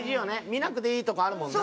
見なくていいとこあるもんね。